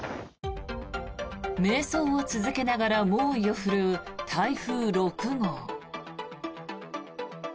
迷走を続けながら猛威を振るう台風６号。